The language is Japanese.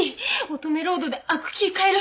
乙女ロードでアクキー買える！